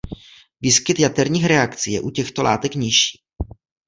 Výskyt jaterních reakcí je u těchto látek nižší.